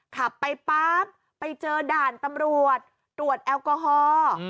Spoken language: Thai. ขับไปปั๊บไปเจอด่านตำรวจตรวจแอลกอฮอล์